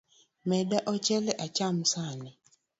Meda ochele acham sani.